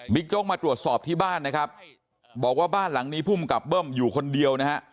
โจ๊กมาตรวจสอบที่บ้านนะครับบอกว่าบ้านหลังนี้ภูมิกับเบิ้มอยู่คนเดียวนะฮะ